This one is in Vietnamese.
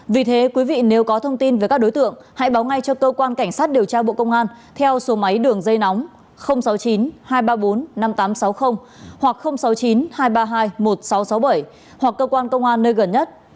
vì thế quý vị nếu có thông tin về các đối tượng hãy báo ngay cho cơ quan cảnh sát điều tra bộ công an theo số máy đường dây nóng sáu mươi chín hai trăm ba mươi bốn năm nghìn tám trăm sáu mươi hoặc sáu mươi chín hai trăm ba mươi hai một nghìn sáu trăm sáu mươi bảy hoặc cơ quan công an nơi gần nhất